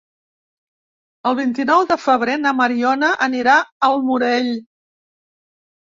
El vint-i-nou de febrer na Mariona anirà al Morell.